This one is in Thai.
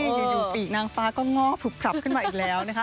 อยู่ดูปีกนางฟ้าก็งอบถูกขับขึ้นมาอีกแล้ว